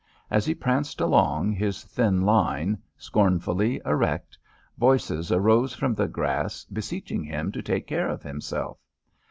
As he pranced along his thin line, scornfully erect, voices arose from the grass beseeching him to take care of himself.